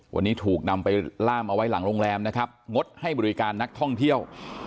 วันนี้ถูกนำไปล่ามเอาไว้หลังโรงแรมนะครับงดให้บริการนักท่องเที่ยว